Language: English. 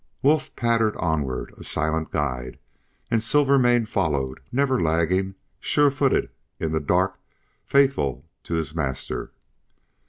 Wolf pattered onward, a silent guide; and Silvermane followed, never lagging, sure footed in the dark, faithful to his master.